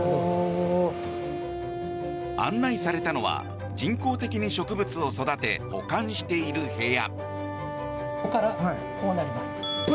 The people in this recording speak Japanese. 案内されたのは人工的に植物を育て保管している部屋。